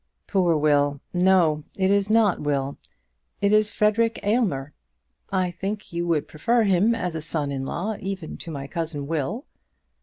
"Poor Will! No; it is not Will. It is Frederic Aylmer. I think you would prefer him as a son in law even to my cousin Will."